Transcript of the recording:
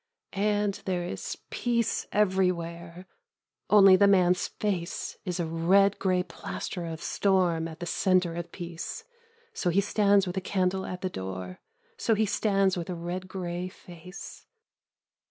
And there is peace everywhere ... only the man's face is a red gray plaster of storm in the center of peace ... so he stands with a candle at the door ... so he stands with a red gray face.